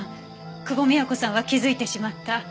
久保美也子さんは気づいてしまった。